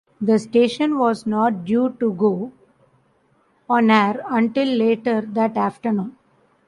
The station was not due to go on air until later that afternoon.